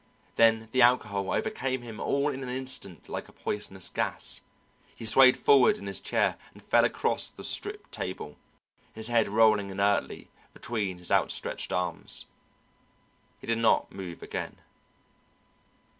Then the alcohol overcame him all in an instant like a poisonous gas. He swayed forward in his chair and fell across the stripped table, his head rolling inertly between his outstretched arms. He did not move again.